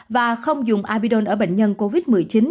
và không dùng abidon ở bệnh nhân covid một mươi chín